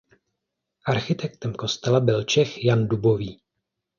Architektem kostela byl Čech Jan Dubový.